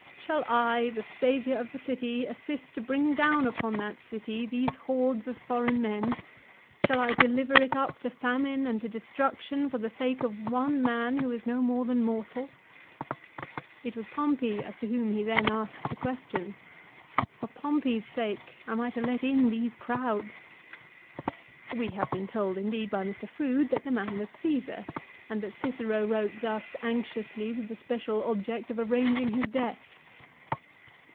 " Shall I, the saviour of the city, assist to bring down upon that city those hordes of foreign men ? Shall I deliver it up to famine and to destruction for the sake of one man who is no more than mortal ?"* It was Pompey as to whom he then asked the question. For Pompey's sake am I to let in these crowds ? We have been told, indeed, by Mr. Froude that the man was Caesar, and 1 Ad Att. lib. ix. 10. THE WAR BETWEEN CAESAR AND POMPEY. 145 that Cicero wrote thus anxiously with the special object of arranging his death